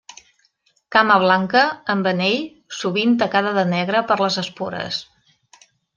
Cama blanca, amb anell, sovint tacada de negre per les espores.